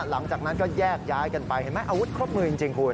หลังจากนั้นก็แยกย้ายกันไปเห็นไหมอาวุธครบมือจริงคุณ